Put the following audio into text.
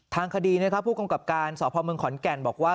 ทางคดีผู้กรรมกราบการสพเมืองขอนแก่นบอกว่า